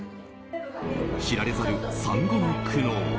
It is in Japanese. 知られざる産後の苦悩。